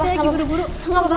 saya lagi buru buru